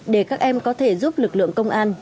để các em có thể giúp lực lượng công an